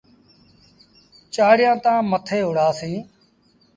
چآڙيآن تآن مٿي وُهڙآ سيٚݩ۔